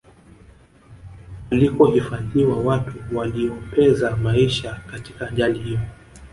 walikohifadhiwa watu waliopeza maisha katika ajali hiyo